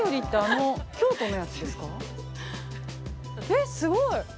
◆えっ、すごい！